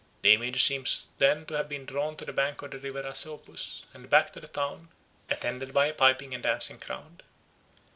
The image seems then to have been drawn to the bank of the river Asopus and back to the town, attended by a piping and dancing crowd.